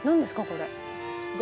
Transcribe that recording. これ。